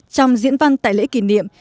trong diễn văn tại lễ kỷ niệm